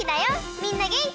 みんなげんき？